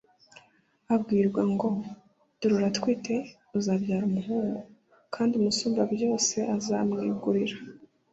abwiwe ngo « dore uratwite, uzabyara umuhungu, kandi umusumbabyose azamwegurira